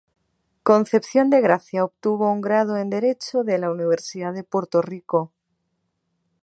Concepción de Gracia obtuvo un grado en Derecho de la Universidad de Puerto Rico.